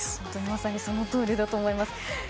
まさにそのとおりだと思います。